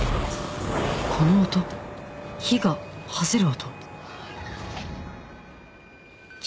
この音火が爆ぜる音